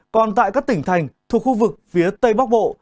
còn tại các tỉnh thành thuộc khu vực phía tây bắc bộ